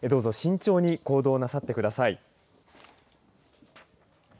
慎重に行動なさってください。